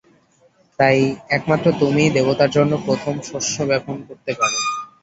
তাই একমাত্র তুমিই দেবতার জন্য প্রথম শস্য বপন করতে পারো।